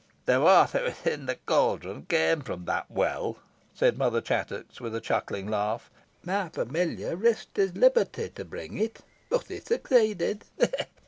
"The water within the caldron came from that well," said Mother Chattox, with a chuckling laugh; "my familiar risked his liberty to bring it, but he succeeded.